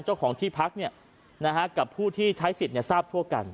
เจ้าของที่พักกับผู้ที่ใช้สิทธิ์ทราบทั่วกัน